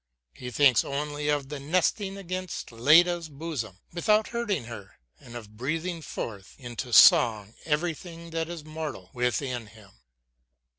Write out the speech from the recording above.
He thinks only of nestling against Leda's bosom without hurting her, and of breathing forth into song everything that is mortal within him.